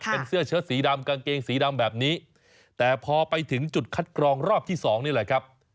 เป็นเสื้อเชิดสีดำกางเกงสีดำแบบนี้แต่พอไปถึงจุดคัดกรองรอบที่สองนี่แหละครับ